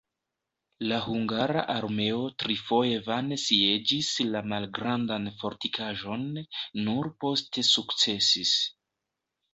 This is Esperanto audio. La hungara armeo trifoje vane sieĝis la malgrandan fortikaĵon, nur poste sukcesis.